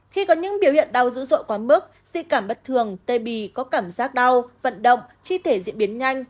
khi có những biểu hiện đau dữ dội quá mức di cảm bất thường tê bì có cảm giác đau vận động chi thể diễn biến nhanh